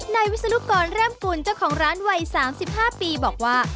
นายวิศนุกรแร่มกุลเจ้าของร้านวัย๓๕ปีบอกว่า